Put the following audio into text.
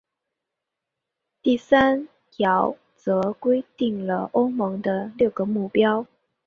第三条则规定了欧盟的六个目标。